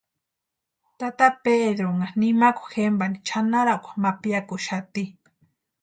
Tata Pedrunha nimakwa jempani chʼanarakwa ma piakuxati.